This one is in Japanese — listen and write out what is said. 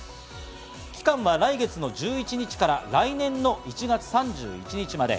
期間は来月の１１日から来年の１月３１日まで。